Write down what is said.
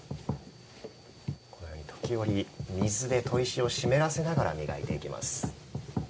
時折、水で砥石を湿らせながら磨いていきます。